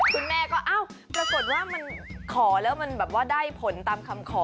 คุณแม่ก็เอ้าปรากฏว่ามันขอแล้วมันแบบว่าได้ผลตามคำขอ